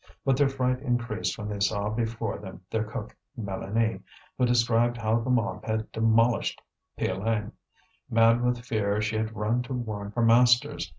But their fright increased when they saw before them their cook, Mélanie, who described how the mob had demolished Piolaine. Mad with fear she had run to warn her masters.